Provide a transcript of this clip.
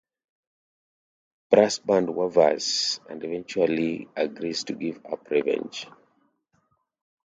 Brassbound wavers, and eventually agrees to give up revenge.